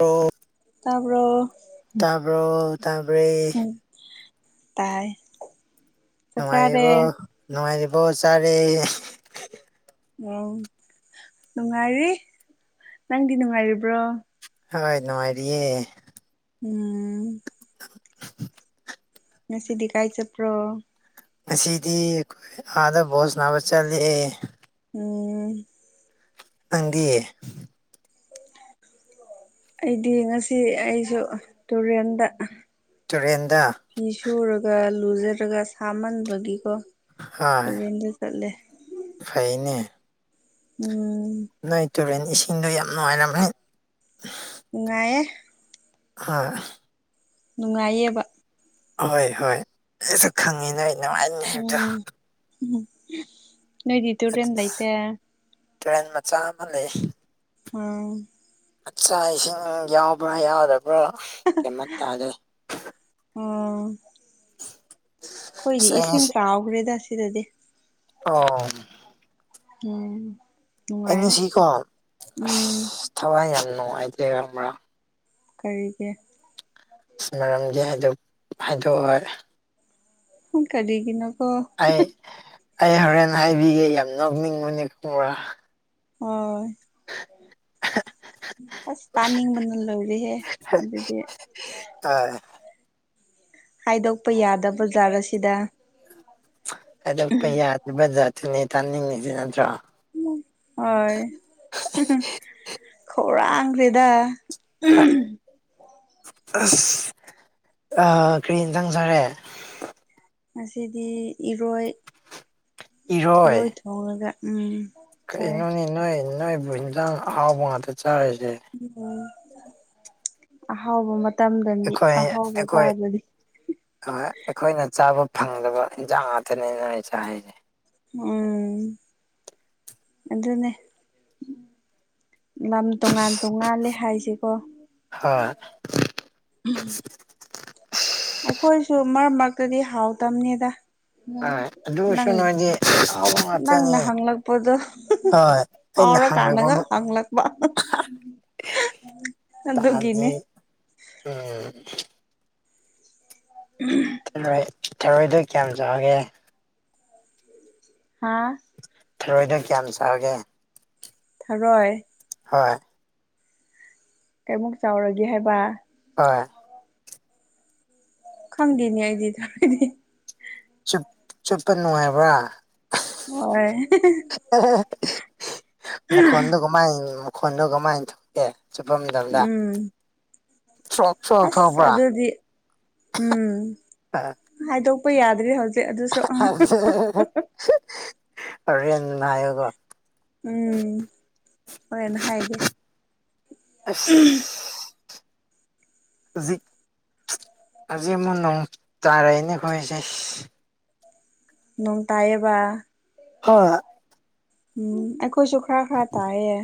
ꯑꯣ ꯇꯥꯕꯔ‌ꯣ ꯇꯥꯕꯔ‌ꯣ ꯇꯥꯕꯔ‌ꯦ ꯇꯥꯏ ꯆꯥꯛ ꯆꯥꯔꯦ ꯅꯨꯡꯉꯥꯏꯔꯤꯕ‌ꯣ ꯅꯨꯡꯉꯥꯏꯔꯤꯕꯣ ꯆꯥꯔꯦ ꯎ ꯅꯨꯡꯉꯥꯏꯔꯤ ꯅꯪꯗꯤ ꯅꯨꯡꯉꯥꯏꯔꯤꯕ꯭ꯔꯣ ꯍꯣꯏ ꯅꯨꯡꯉꯥꯏꯔꯤꯌꯦ ꯎꯝ ꯅꯁꯤꯗꯤ ꯀꯥꯏ ꯆꯠꯄ꯭ꯔꯣ ꯉꯁꯤꯗꯤ ꯑꯩꯈꯣꯏ ꯑꯥꯗ ꯕꯣꯜ ꯁꯅꯥꯕ ꯆꯠꯂꯦ ꯎ ꯅꯪꯗꯤ ꯑꯩꯗꯤ ꯉꯁꯤ ꯑꯩꯁꯨ ꯇꯨꯔꯦꯟꯗ ꯇꯨꯔꯦꯟꯗ ꯃꯤ ꯁꯨꯔꯒ ꯂꯨꯖꯔꯒ ꯁꯥꯃꯟꯕꯒꯤꯀꯣ ꯍ‌ꯣꯏ ꯇꯨꯔꯦꯟꯗ ꯆꯠꯂꯦ ꯐꯩꯅꯦ ꯎꯝ ꯅꯣꯏ ꯇꯨꯔꯦꯟ ꯏꯁꯤꯡꯗꯣ ꯌꯥꯝ ꯅꯨꯡꯉꯥꯏꯔꯃ‌ꯦ ꯅꯨꯡꯉꯥꯏꯌ‌ꯦ ꯍꯣꯏ ꯅꯨꯡꯉꯥꯏꯌꯦꯕ ꯍꯣꯏ ꯍꯣꯏ ꯑꯩꯁꯨ ꯈꯪꯉꯤꯅꯦ ꯑꯩ ꯎꯝ ꯅꯣꯏꯗꯤꯇ ꯔꯦꯟ ꯂꯩ ꯂꯩꯇ ꯇ꯭ꯔꯦꯟ ꯃꯆꯥ ꯑꯃ ꯂꯩ ꯑꯣ ꯑꯆꯥ ꯏꯁꯤꯡ ꯌꯥꯎꯕ꯭ꯔꯥ ꯌꯥꯎꯗꯕ꯭ꯔꯥ ꯀꯩꯝꯃ ꯇꯥꯗ‌ꯦ ꯑꯣ ꯑꯩꯈꯣꯏꯗꯤ ꯑꯁ ꯑꯩ ꯏꯁꯤꯡ ꯉꯁꯤ ꯆꯥꯎꯈ꯭ꯔꯦꯗ ꯁꯤꯗꯗꯤ ꯑꯣ ꯎꯝ ꯑꯩ ꯅꯨꯡꯉꯥꯏꯔꯦ ꯉꯁꯤꯀꯣ ꯑ ꯎꯝ ꯊꯋꯥꯏ ꯌꯥꯝ ꯅꯨꯡꯉꯥꯏꯇ꯭ꯔꯦ ꯈꯪꯕ꯭ꯔꯥ ꯀꯔꯤꯒꯤ ꯑꯁ ꯃꯔꯝꯗꯤ ꯍꯥꯏꯗ‌ꯣꯛ ꯍꯥꯏꯗꯣꯛꯑꯣꯏ [unintelligible] ꯀꯔꯤꯒꯤꯅ‌ꯣꯀꯣ ꯑꯩ ꯑꯩ ꯍꯣꯔꯦꯟ ꯍꯥꯏꯕꯤꯒꯦ ꯌꯥꯝ ꯅꯣꯛꯅꯤꯡꯕꯅꯤ ꯈꯪꯕꯔꯥ ꯑꯥꯎ ꯑꯁ ꯇꯥꯅꯤꯡꯕꯅ ꯂ‌ꯣꯏꯔ‌ꯦꯍꯦ ꯑꯗꯨꯗꯤ ꯑ ꯍꯥꯏꯗꯣꯛꯄ ꯌꯥꯗꯕ ꯕꯖꯥꯠꯂ ꯁꯤꯗ ꯍꯥꯏꯗ‌ꯧꯛꯄ ꯌꯥꯗꯕ ꯖꯥꯠꯇꯨꯅꯦ ꯇꯥꯅꯤꯡꯉꯤꯁꯤ ꯅꯠꯇ꯭ꯔꯣ ꯍꯣꯏ ꯈꯧꯔꯥꯡꯈ꯭ꯔ‌ꯦꯗ ꯑꯁ ꯀꯔꯤ ꯏꯟꯖꯥꯡ ꯆꯥꯔꯦ ꯉꯁꯤꯗꯤ ꯏꯔꯣꯏ ꯏꯔꯣꯏ ꯊꯣꯡꯂꯒ ꯎꯝ ꯆꯥꯏ ꯀꯩꯅꯣꯅꯦ ꯅꯣꯏ ꯅꯣꯏꯕꯨ ꯏꯟꯖꯥꯡ ꯑꯍꯥꯎꯕ ꯉꯥꯛꯇ ꯆꯥꯔꯤꯁꯦ ꯎꯝ ꯑꯍꯥꯎꯕ ꯃꯇꯝꯗꯗꯤ ꯑꯍꯥꯎꯕ ꯆꯥꯗꯔꯗꯤ ꯍꯣꯏ ꯑꯩꯈꯣꯏꯅ ꯆꯥꯕ ꯐꯪꯗꯕ ꯏꯟꯁꯥꯡ ꯉꯥꯛꯇꯅꯦꯅ ꯑꯩꯁ ꯍꯥꯏꯁꯦ ꯎꯝ ꯑꯗꯨꯅꯦ ꯂꯝ ꯇꯣꯉꯥꯟ ꯇꯣꯉꯥꯜꯂꯦ ꯍꯥꯏꯁꯦꯀꯣ ꯍꯣꯏ ꯑꯩꯈꯣꯏꯁꯨ ꯃꯔꯛ ꯃꯔꯛꯇꯗꯤ ꯍꯥꯎꯇꯕꯅꯦꯗ ꯍꯣꯏ ꯑꯗꯨ ꯑꯣꯏꯔꯁꯨ ꯅꯪ ꯅꯣꯏꯗꯤ ꯑꯍꯥꯎꯕ ꯅꯪꯅ ꯉꯥꯛꯇꯅꯤ ꯍꯪ ꯂꯛꯄꯣꯗꯣ ꯍꯣꯏ ꯑꯩꯅ ꯑꯔ ꯍꯪꯂꯛꯄ ꯀꯥꯟꯗꯒ ꯍꯪ ꯂꯛꯄ ꯇꯧꯅꯤ ꯎꯝ ꯎꯝ ꯔꯣꯏ ꯊꯔꯣꯏꯗꯣ ꯀꯌꯥꯝ ꯆꯥꯎꯒꯦ ꯍꯥꯥ ꯊꯔꯣꯏꯗ ꯀꯌꯥꯝ ꯆꯥꯒꯦ ꯊꯔꯣꯏ ꯍꯣꯏ ꯀꯩꯃꯨꯛ ꯆꯥꯎꯔꯒꯦ ꯍꯥꯏꯕ ꯍꯣꯏ ꯈꯪꯗꯅꯤ ꯍꯥꯏꯗꯤ ꯊꯔꯗꯤ ꯆꯠꯄ ꯅꯨꯡꯉꯥꯏꯕ꯭ꯔꯥ ꯍꯣꯏ ꯃꯈꯣꯟꯗꯣ ꯀꯃꯥꯏꯅ ꯃꯈꯣꯟꯗꯣ ꯀꯃꯥꯏꯅ ꯊꯣꯛꯀꯦ ꯆꯠꯄ ꯃꯇꯝ ꯃꯇꯝꯗ ꯎꯝ ꯊ꯭ꯔꯣꯛ ꯑꯁ ꯊꯣꯛꯄ꯭ꯔꯥ ꯑꯗꯨꯗꯤ ꯎꯝ ꯍꯥꯏꯗꯣꯛꯄ ꯌꯥꯗ꯭ꯔꯦ ꯍꯧꯖꯤꯛ ꯑꯗꯨꯁꯨ ꯔꯦꯟ ꯍꯥꯏꯌꯗꯣ ꯎꯝ ꯍꯣꯔꯦꯅ ꯍꯥꯏꯒꯦ ꯑꯁ ꯍꯧꯖꯤꯛ ꯍꯧꯖꯤꯛ ꯑꯃꯨꯛ ꯅꯣꯡ ꯇꯥꯔꯛꯏꯅꯦ ꯑꯩꯈꯣꯏꯁꯦ ꯅꯣꯡ ꯇꯥꯏꯌꯦꯕ ꯍꯣꯏ ꯎꯝ ꯑꯩꯈꯣꯏꯁꯨ ꯈꯔ ꯈꯔ ꯇꯥꯏꯌꯦ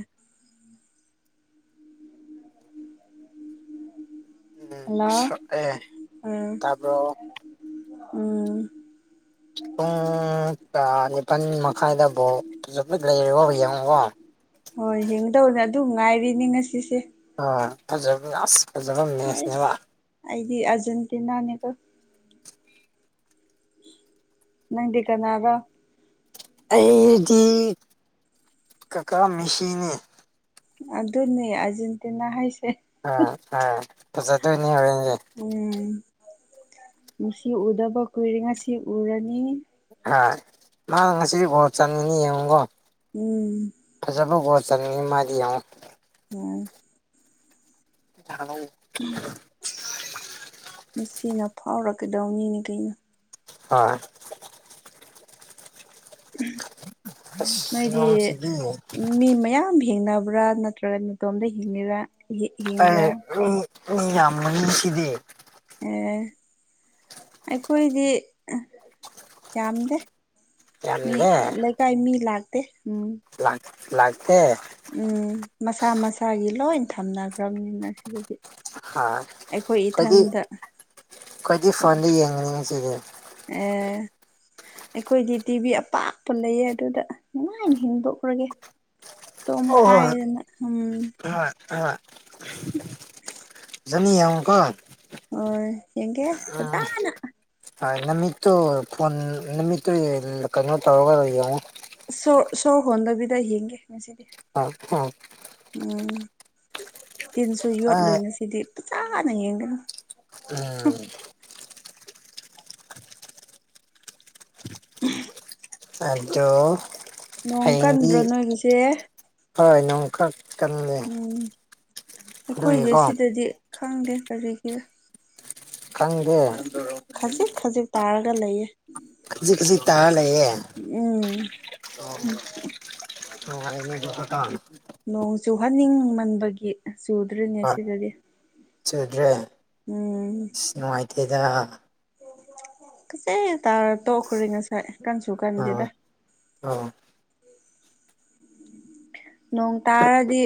ꯎꯝ ꯑꯁ ꯑꯦ ꯍꯜꯂꯣ ꯇꯥꯕ꯭ꯔꯣ ꯎꯝ ꯎꯝ ꯄꯨꯡ ꯅꯤꯄꯥꯜ ꯃꯈꯥꯏꯗꯐꯥꯎ ꯑꯗꯨꯃꯤꯠ ꯂꯩꯔꯣꯕ ꯌꯦꯡꯉꯨꯀꯣ ꯍꯣꯏ ꯍꯡꯗꯧꯅꯦ ꯑꯗꯨ ꯉꯥꯏꯔꯤꯅꯦ ꯉꯁꯤꯁꯦ ꯐꯖꯕꯅꯦ ꯐꯖꯕ ꯃꯦꯁꯅꯦꯕ ꯑꯩꯁ ꯑꯩꯗꯤ ꯑꯔꯖꯦꯟꯇꯤꯅꯥꯅꯤꯀꯣ ꯅꯪꯗꯤ ꯀꯅꯥꯒ ꯑꯩꯗꯤ ꯀꯀꯥ ꯃꯤꯁꯤꯅꯤ ꯑꯗꯨ ꯑꯗꯨꯅꯤ ꯑꯔꯖꯦꯟꯇꯤꯅꯥ ꯍꯥꯏꯁꯦ ꯑꯥ ꯑꯥ ꯐꯖꯗꯣꯏꯅꯤ ꯍꯣꯔꯦꯟꯁ ꯎꯝ ꯁꯤ ꯎꯗꯕ ꯀꯨꯏꯔꯤꯉꯥ ꯁꯤ ꯎꯔꯅꯤ ꯍ ꯃꯥ ꯉꯁꯤꯗꯤ ꯒꯣꯠ ꯆꯟꯅꯤꯅꯤ ꯌꯦꯡꯉꯨꯀꯣ ꯎꯝ ꯐꯖꯕ ꯠ ꯆꯅꯤ ꯃꯥꯗꯤ ꯌꯥꯝ ꯑꯣꯝ [unintelligible] ꯎꯝ ꯃꯤꯆꯅ ꯐꯥꯎꯔꯛꯀꯗꯧꯅꯤꯅꯦ ꯀꯩꯅꯣ ꯍꯥ ꯑꯁ ꯃꯣꯏꯗꯤ ꯅꯣꯡꯁꯤꯗꯤ ꯃꯤ ꯃꯌꯥꯝ ꯍꯤꯡꯅꯕ꯭ꯔꯥ ꯅꯠꯇ꯭ꯔꯒ ꯃꯇꯣꯝꯗ ꯍꯤꯡꯉꯔꯥ ꯑꯩ ꯃꯤ ꯃꯤ ꯌꯥꯝ ꯂꯩꯁꯤꯗꯤ ꯑꯦ ꯑꯩꯈꯣꯏꯗꯤ ꯌꯥꯝꯗꯦ ꯃꯤ ꯌꯥꯝꯗꯦ ꯂꯩꯀꯥꯏ ꯃꯤ ꯂꯥꯛꯇꯦ ꯂꯥꯛꯇꯦ ꯎꯝ ꯃꯁꯥ ꯃꯁꯥꯒꯤ ꯂꯣꯏ ꯊꯝꯅꯈ꯭ꯔꯕꯅꯤꯅ ꯁꯤꯗꯗꯤ ꯍꯥ ꯑꯩꯈꯣꯏ ꯑꯩꯈꯣꯏꯗꯤ ꯏꯊꯟꯗ ꯑꯩꯈꯣꯏꯗꯤ ꯐꯟꯗ ꯌꯦꯡꯔꯤꯉꯤꯁꯤꯒ ꯑꯦ ꯑꯩꯈꯣꯏꯗꯤ ꯇꯤꯚꯤ ꯑꯄꯥꯛꯄ ꯂꯩꯌꯦ ꯑꯗꯨꯗ ꯅꯨꯡꯉꯥꯏꯅ ꯍꯤꯡꯕꯎꯔꯒꯦ ꯇꯣꯝ ꯈꯥꯏꯗꯅ ꯎꯝ ꯑ ꯅꯤ ꯌꯥꯨꯀꯣ ꯑꯣ ꯌꯦꯡꯒꯦ ꯐꯇꯥꯅ ꯅꯨꯃꯤꯠꯇ ꯐꯣꯟ ꯅꯨꯃꯤꯠꯇ ꯀꯩꯅꯣ ꯇꯧꯔꯒ ꯂꯩ ꯁꯣꯔ ꯁꯣꯔ ꯍꯣꯟꯗꯕꯤꯗ ꯍꯡꯒꯦ ꯉꯁꯤꯗꯤ ꯍ ꯑ ꯎꯝ ꯇꯤꯟꯁꯨ ꯌꯣꯠꯂꯣꯏ ꯉꯁꯤꯗꯤ ꯐꯖꯅ ꯌꯦꯡꯒꯅꯨ ꯎꯝ ꯎ ꯑꯗꯣ ꯅꯣꯡ ꯍꯌꯦꯡꯗꯤ ꯀꯟꯕ꯭ꯔꯣ ꯅꯣꯏꯒꯤꯁꯦ ꯍꯣꯏ ꯅꯣꯡꯀ ꯎꯝ ꯑꯩꯈꯣꯏꯗꯤ ꯑꯗꯨꯒꯤꯀꯣ ꯁꯤꯗꯗꯤ ꯈꯪꯗꯦ ꯀꯔꯤꯒꯤ ꯈꯪꯗꯦ ꯈꯖꯤꯛ ꯈꯖꯤꯛ ꯇꯥꯔꯒ ꯂꯩꯌꯦ ꯍꯧꯖꯤꯛ ꯍꯧꯖꯤꯛ ꯇꯥꯔ ꯂꯩꯌꯦꯦ ꯎꯝ ꯎꯝ ꯍꯉ ꯇ ꯅꯣꯡ ꯆꯨꯍꯟꯅꯤꯡꯃꯟꯕꯒꯤ ꯆꯨꯗ꯭ꯔꯤꯅꯦ ꯍꯣꯏ ꯁꯤꯗꯗꯤ ꯆꯨꯗ꯭ꯔꯦ ꯎꯝ ꯑꯁ ꯅꯨꯡꯉꯥꯏꯇꯦꯗ ꯀꯆꯦ ꯇꯥꯔ ꯇꯣꯛꯈ꯭ꯔꯔꯤ ꯉꯁꯥꯏ ꯀꯟꯁꯨ ꯀꯟꯗꯦꯗ ꯑꯥ ꯅꯣꯡ ꯇꯥꯔꯗꯤ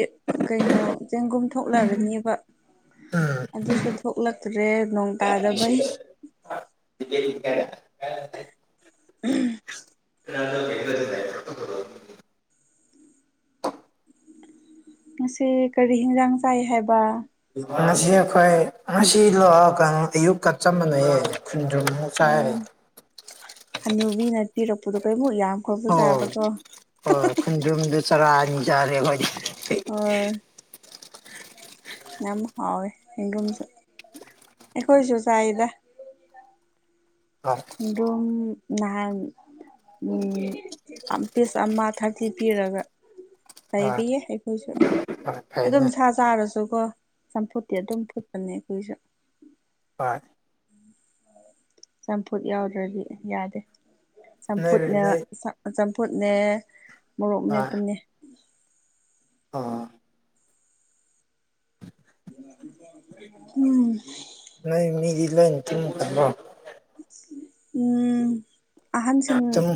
ꯀꯩꯅꯣ ꯆꯦꯡꯒꯨꯝ ꯊꯣꯛꯂꯔꯅꯦꯕ ꯑꯗꯨꯁꯨ ꯊꯣꯛꯂꯛꯇ꯭ꯔꯦ ꯅꯣꯡ ꯇꯥꯗꯕꯩ [inaudible] ꯀꯩꯒ ꯑꯗꯨ ꯐ ꯉꯁꯤ ꯀꯔꯤ ꯍꯤꯟꯖꯥꯡ ꯆꯥꯏ ꯍꯥꯏꯕ ꯉꯁꯤ ꯑꯩꯈꯣꯏ ꯉꯁꯤ ꯂꯣꯛꯑꯒ ꯑꯌꯨꯛꯀ ꯆ ꯃꯥꯟꯅꯩꯌꯦ ꯈꯨꯟꯗ꯭ꯔꯨꯝ ꯑ ꯍꯅꯨꯕꯤꯅꯄꯤꯤꯔꯛꯄꯗꯣ ꯀꯔꯤꯃꯨꯛ ꯌꯥꯝ ꯍꯣꯏ ꯍꯣꯏ ꯈꯨꯟꯗ꯭ꯔꯨꯝꯗꯨ ꯆꯔꯥꯑꯅꯤꯖꯔꯦ ꯍꯣꯏꯗꯤ ꯑꯣ ꯌꯥꯝ ꯍꯥꯎꯋꯦ ꯍꯒꯨꯝꯁꯨ ꯑꯩꯈꯣꯏꯁꯨ ꯆꯥꯏꯗ ꯑ ꯀꯝ ꯅꯍꯥꯟ ꯎꯝ ꯄꯤꯁ ꯑꯃ ꯊꯥꯔꯇꯤ ꯄꯤꯔꯒ ꯍꯣꯏ ꯂꯩꯔꯤꯌꯦ ꯑꯩꯈꯣꯏꯁꯨ ꯍꯣꯏ ꯐꯩꯅꯦ ꯑꯗꯨꯝ ꯁꯥ ꯆꯥꯔꯁꯨꯀꯣ ꯆꯝꯐꯨꯠꯇꯤ ꯑꯗꯨꯝ ꯐꯨꯠꯄꯅꯦ ꯑꯩꯈꯣꯏꯁꯨ ꯍꯣꯏ ꯆꯝꯐꯨꯠ ꯌꯥꯎꯗ꯭ꯔꯗꯤ ꯌꯥꯗꯦ ꯅꯣꯏ ꯆꯝꯐꯨꯠꯅ ꯅꯣꯏ ꯆꯝꯐꯨꯠꯅꯦ ꯃꯣꯔꯣꯛ ꯃꯦꯠꯄꯅꯦ ꯑꯥ ꯎꯝ ꯅ ꯃꯤ ꯏꯂꯇꯤꯃ ꯀꯣ ꯎꯝ ꯑꯍꯟꯁꯤꯡ ꯇꯨꯝ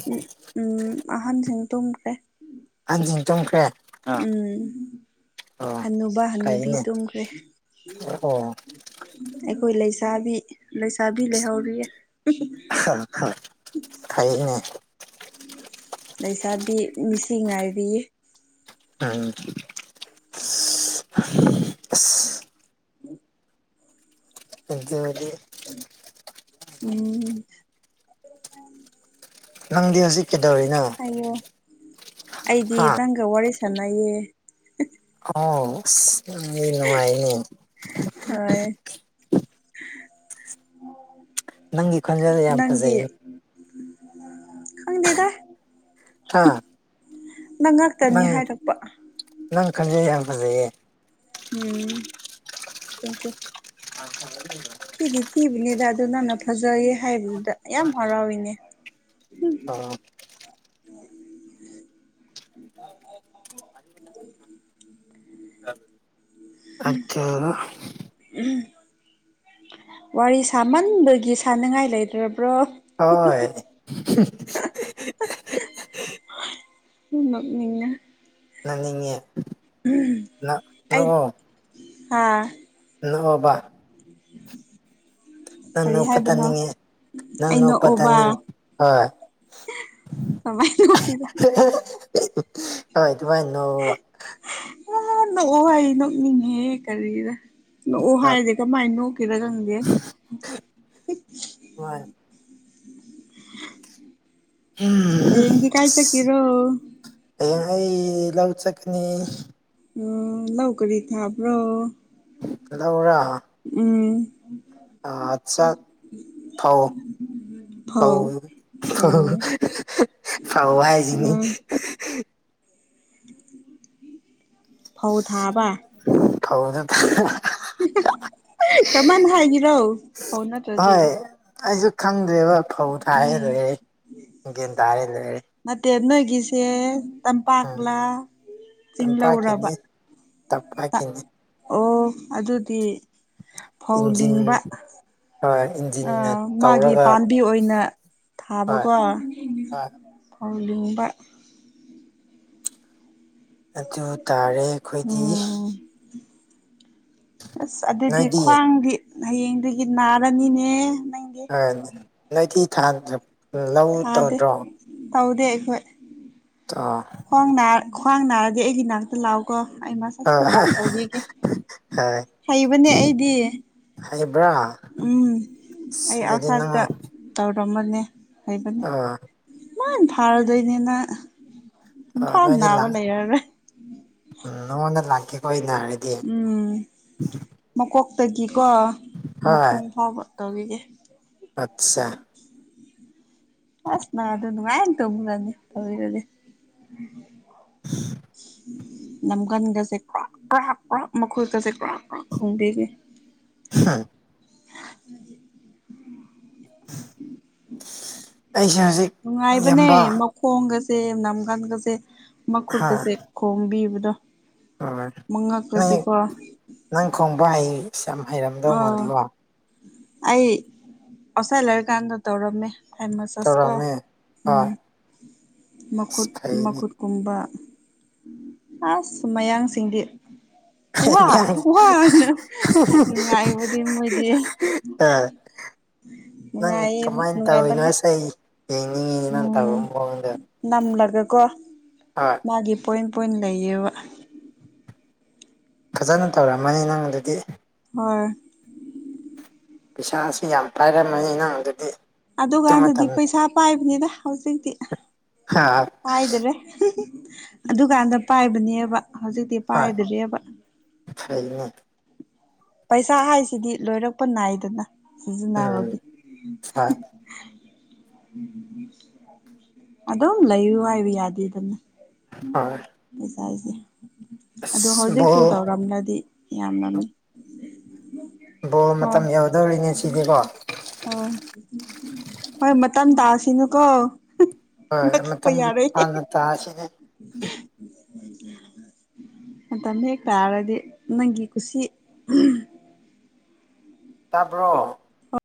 ꯑꯍꯟꯁꯤꯡ ꯇꯨꯝꯈ꯭ꯔꯦ ꯍꯟꯖꯤꯟ ꯆꯣꯡꯈ꯭ꯔꯦ ꯎꯝ ꯑꯅꯨꯕ ꯍꯅꯨꯕꯤ ꯐꯩꯅꯦ ꯇꯨꯝꯈ꯭ꯔꯦ ꯑꯣ ꯑꯩꯈꯣꯏ ꯂꯩꯁꯥꯕꯤ ꯂꯩꯁꯥꯕꯤ ꯂꯩꯍꯧꯔꯤꯌꯦ ꯍꯥꯏꯅꯦ ꯂꯩꯁꯥꯕꯤ ꯃꯤꯁꯤꯡ ꯉꯥꯏꯔꯤ ꯊꯦꯡꯨ ꯏꯗꯤ ꯎꯝ ꯑ ꯅꯪꯗꯤ ꯍꯧꯖꯤꯛ ꯀꯩꯗꯧꯔꯤꯅꯣ ꯑꯌꯣ ꯑꯩꯗꯤ ꯍꯥ ꯅꯪꯒ ꯋꯥꯔꯤ ꯁꯥꯟꯅꯩꯌꯦ ꯑꯣ ꯅꯨꯡꯉꯥꯏꯅꯦ ꯍꯣꯏ ꯅꯪꯒꯤ ꯈꯣꯟꯖꯦꯜ ꯌꯥꯝ ꯅꯪꯦ ꯐꯖꯩꯅꯦ ꯍꯪꯗꯦꯗ ꯍꯥꯥ ꯍꯥꯏꯔꯛꯄ ꯅꯪꯈꯖꯩ ꯍꯥꯏ ꯐꯖꯩꯌꯦ ꯎꯝ ꯊꯦꯡꯀꯤ꯭ꯌꯨ ꯑ ꯊꯣ ꯊꯤꯗꯤ ꯊꯤꯕꯅꯤꯗ ꯑꯗꯨ ꯅꯪꯟꯅ ꯐꯖꯩꯌꯦ ꯍꯥꯏꯕꯗꯨꯗ ꯌꯥꯝ ꯍꯔꯥꯎꯏꯅꯦ ꯑꯣ ꯑꯗ ꯑꯆꯦ ꯎꯝ ꯋꯥꯔꯤ ꯁꯥꯃꯟꯕꯒꯤ ꯁꯅꯤꯡꯉꯥꯏ ꯂꯩꯇ꯭ꯔꯕ꯭ꯔꯣ ꯍꯣꯏ ꯃꯤꯅ ꯅꯪꯅꯤꯡꯉ ꯑꯩ ꯍꯥꯥ ꯅꯕꯕꯥ ꯎ ꯅꯅ ꯎꯄꯥ ꯇꯥꯅꯤꯡꯉ ꯑꯩ ꯅꯪꯅ ꯅꯣꯛꯑꯣꯕ ꯄꯊꯅꯤ ꯍꯣꯏ ꯀꯃꯥꯏ ꯂ ꯀꯗ ꯍꯣꯏ ꯑꯗꯨꯃꯥꯏꯅꯅꯣ ꯑ ꯅꯣꯛꯑꯣ ꯑꯩ ꯅꯣꯛꯅꯤꯡꯉꯦ ꯀꯔꯤꯗ ꯅꯣꯛꯑꯣ ꯍꯥꯏꯁꯦ ꯀꯃꯥꯏꯅ ꯅꯣꯛꯀꯔꯥ ꯈꯪꯗꯦ ꯍꯣꯏ ꯎꯝ ꯍꯌꯦꯡꯗꯤ ꯀꯥꯏ ꯆꯠꯀꯦꯔꯣ ꯑ ꯍꯌꯦꯡ ꯑꯩ ꯂꯧ ꯆꯠꯀꯅꯤ ꯎꯝ ꯂꯧꯧ ꯀꯔꯤ ꯊꯕ꯭ꯔꯣ ꯀꯗꯧꯕꯔꯥ ꯎꯝ ꯑꯠꯆꯥ ꯊꯥꯎ ꯍꯥꯎ ꯐꯧ ꯍ ꯐꯧ ꯐꯥꯎ ꯍꯥꯏ ꯍꯥꯏꯁꯤꯅꯤ ꯎꯝ ꯐꯧ ꯊꯥꯕ ꯊꯥꯎꯖꯟ ꯊꯔꯤ ꯀꯃꯥꯏꯅ ꯍꯥꯏꯈꯤꯔꯣ ꯐꯣꯟ ꯅꯠꯇ꯭ꯔꯗꯤ ꯍꯣꯏ ꯑꯩꯁꯨ ꯈꯪꯗ꯭ꯔꯦꯕ ꯐꯧ ꯊꯥꯏꯔꯦ ꯎꯝ ꯂꯣꯏꯔꯦ ꯌꯦꯒꯦꯟ ꯊꯥꯔꯦ ꯂꯣꯏꯔꯦ ꯅꯠꯇꯦ ꯅꯣꯏꯒꯤꯁꯦ ꯎꯝ ꯇꯝꯄꯥꯛꯂꯥ ꯆꯤꯡ ꯂꯧꯔꯕ ꯇ ꯇꯞꯄꯒꯤꯅꯤ ꯑꯣ ꯑꯗꯨꯗꯤ ꯐꯧ ꯏꯟꯖꯤꯟ ꯍꯣꯏ ꯏꯟꯖꯤꯟꯅ ꯑꯥ ꯃꯥꯒꯤ ꯇꯧꯔꯒ ꯄꯥꯝꯕꯤ ꯑꯣꯏꯅ ꯍꯣꯏ ꯊꯥꯕꯀꯣ ꯍꯣꯏ ꯐꯧ ꯂꯤꯡꯕ ꯑꯗꯨ ꯇꯥꯔꯦ ꯑꯩꯈꯣꯏꯗꯤ ꯎꯝ ꯑꯁ ꯑꯗꯨꯗꯤ ꯅꯣꯏꯗꯤ ꯈ꯭ꯋꯥꯡꯗꯤ ꯍꯌꯦꯡꯗꯒꯤ ꯅꯥꯔꯅꯤꯅꯦ ꯅꯪ ꯑꯪ ꯅꯣꯏꯗꯤ ꯊꯥꯡꯗ [unintelligible] ꯊꯥꯗꯦ ꯇꯧꯗꯦ ꯑꯩꯈꯣꯏ ꯇꯥ ꯈ꯭ꯋꯥꯡ ꯅꯥ ꯈ꯭ꯋꯥꯡ ꯅꯥꯔꯗꯤ ꯑꯩꯒꯤ ꯅꯥꯛꯇ ꯂꯥꯛꯑꯣꯀꯣ ꯑꯩ ꯃꯁ [unintelligible] ꯑꯥ ꯐꯖꯅ ꯇꯧꯕꯤꯒꯦ ꯍꯣꯏ ꯍꯩꯕꯅꯦ ꯑꯩꯗꯤ ꯍꯩꯕ꯭ꯔꯥ ꯎꯝ ꯁ ꯑꯩ ꯑꯗꯨꯗꯤ ꯑꯥꯎꯠꯁꯥꯏꯠꯇ ꯅꯪꯉꫭꯟ ꯇꯧꯔꯝꯕꯅꯦ ꯍꯩꯕꯅꯦ ꯃꯥꯏꯟ ꯐꯥꯔꯗꯣꯏꯅꯤ ꯅꯪ ꯑ ꯏꯝꯐꯥꯜ ꯅꯣꯏꯗ ꯅꯥꯕ ꯂꯥꯛ ꯂꯩꯔꯔꯣꯏ ꯎꯝ ꯅꯉꯣꯟꯗ ꯂꯥꯛꯀꯦꯀꯣ ꯑꯩ ꯅꯥꯔꯗꯤ ꯎꯝ ꯃꯀꯣꯛꯇꯒꯤꯀꯣ ꯍꯣꯏ ꯃꯈꯣꯡ ꯐꯥꯎꯕ ꯇꯧꯕꯤꯒꯦ ꯑꯠꯆꯥ ꯑꯁ ꯅꯪꯗꯣ ꯅꯨꯡꯉꯥꯏꯅ ꯇꯨꯝꯔꯅꯤ ꯇꯧꯕꯤꯔꯗꯤ ꯅꯝꯒꯟꯒꯁꯦ ꯀ꯭ꯔꯣꯛ ꯀ꯭ꯔꯣꯛ ꯀ꯭ꯔꯣꯛ ꯃꯈꯨꯠꯒꯁꯦ ꯀ꯭ꯔꯣꯛ ꯀ꯭ꯔꯣꯛ ꯈꯣꯡꯕꯤꯒꯦ [unintelligible] [unintelligible] ꯄꯩꯁꯥꯁꯦ ꯅꯨꯡꯉꯥꯏꯕꯅꯦ ꯃꯈꯣꯡꯒꯁꯦ ꯅꯝꯒꯟꯒꯁꯦ ꯍꯥ ꯃꯈꯨꯠꯀꯁꯦ ꯈꯣꯡꯕꯤꯕꯗꯣ ꯍꯣꯏ ꯅꯪ ꯅꯪ ꯈꯣꯡꯕ ꯍꯩ ꯁ ꯌꯥꯝ ꯍꯩꯔꯝꯗꯧ ꯑꯥꯎ ꯃꯥꯜꯂꯦꯀꯣ ꯑꯩ ꯑꯧꯁꯥꯏ ꯂꯩꯔꯤꯀꯥꯟꯗ ꯇꯧꯔꯝꯃꯦ ꯑꯩ ꯃꯁꯥꯁꯇꯣ ꯇꯧꯔꯝꯃꯦ ꯎꯝ ꯍꯣꯏ ꯑꯁ ꯃꯈꯨꯠ ꯐꯩꯅꯦ ꯃꯈꯨꯠ ꯒꯨꯝꯕ ꯑꯁ ꯃꯌꯥꯡꯁꯤꯡꯗꯤ ꯋꯥꯍ ꯋꯥꯍ ꯍꯥꯏꯅ ꯅꯨꯡꯉꯥꯏꯕꯗꯤ ꯃꯣꯏꯗꯤ ꯑ ꯅꯪ ꯅꯨꯡꯉꯥꯏꯌꯦ ꯀꯃꯥꯏꯅ ꯇꯧꯔꯤꯅꯣ ꯅꯨꯡꯉꯥꯏꯕꯅꯦ ꯑꯁ ꯑꯩ ꯌꯦꯡꯅꯤꯡꯉꯤꯅꯦ ꯅꯪꯅ ꯇꯧꯕ ꯎꯝ ꯃꯑꯣꯡꯗ ꯅꯝꯂꯒꯀꯣ ꯍꫭꯏ ꯃꯥꯒꯤ ꯄꯣꯏꯟ ꯄꯣꯏꯟ ꯂꯩꯌꯦꯕ ꯐꯖꯅ ꯇꯧꯔꯝꯃꯅꯤ ꯅꯪ ꯑꯗꯨꯗꯤ ꯍꯣꯏ ꯄꯩꯁꯥꯁꯨ ꯌꯥꯝ ꯄꯥꯏꯔꯝꯃꯅꯤ ꯅꯪ ꯑꯗꯨꯗꯤ ꯑꯗꯨ ꯑꯗꯨꯀꯥꯟꯗꯗꯤ ꯃꯇꯝ ꯄꯩꯁꯥ ꯄꯥꯏꯕꯅꯤꯗ ꯍꯧꯖꯤꯛꯇꯤ ꯍꯥ [unintelligible] ꯄꯥꯏꯗꯔꯦ ꯑꯗꯨꯀꯥꯟꯗ ꯄꯥꯏꯕꯅꯦꯕ ꯍꯧꯖꯤꯛꯇꯤ ꯄꯥꯏꯗꯔꯦꯕ ꯐꯩꯏꯅꯦ ꯄꯩꯁꯥ ꯍꯥꯏꯁꯤꯗꯤ ꯂꯣꯏꯔꯛꯄ ꯅꯥꯏꯗꯅ ꯎꯝ ꯁꯤꯖꯤꯟꯅꯕꯒꯤ ꯍꯣꯏ [unintelligible] ꯑꯗꯨꯝ ꯂꯩꯌꯨ ꯍꯥꯏꯕ ꯌꯥꯗꯦꯗꯅ ꯍꯣꯏ ꯄꯩꯁꯥꯁꯦ ꯑꯗꯣ ꯑꯁ ꯍꯧꯖꯤꯛꯁꯨ ꯕꯣꯜ ꯇꯧꯔꯝꯂꯗꯤ ꯌꯥꯝꯂꯝꯅꯤ ꯕꫭꯜ ꯍꯣꯏ ꯃꯇꯝ ꯌꯧꯗꯣꯔꯦꯅꯦ ꯁꯤꯗꯤꯀꯣ ꯍꯣꯏ ꯍꯣꯏ ꯃꯇꯝ ꯇꯥꯁꯤꯅꯨꯀꯣ ꯍꯣꯏ ꯄꯥꯏꯈꯠꯄ ꯃꯇꯝ ꯌꯥꯔꯣꯏ ꯍꯥꯟꯅ ꯇꯥꯁꯤꯅꯦ ꯃꯇꯝ ꯍꯦꯛ ꯇꯥꯔꯗꯤ ꯅꯪꯒꯤ ꯀꯨꯁꯤ [unintelligible] ꯇꯥꯕ꯭ꯔꯣ